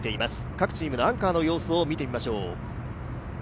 各チームのアンカーの様子を見てみましょう。